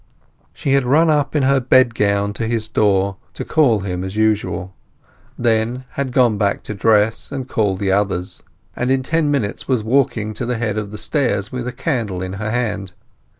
She had run up in her bedgown to his door to call him as usual; then had gone back to dress and call the others; and in ten minutes was walking to the head of the stairs with the candle in her hand.